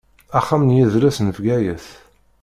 Axxam n yidles n Bgayet.